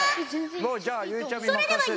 もうじゃあゆうちゃみ任せるよ。